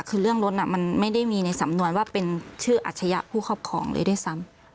คือเรื่องรถมันไม่ได้มีในสำนวนว่าเป็นชื่ออัชยะผู้ครอบครองเลยด้วยซ้ำ